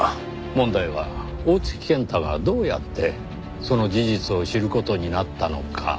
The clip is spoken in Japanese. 問題は大槻健太がどうやってその事実を知る事になったのか。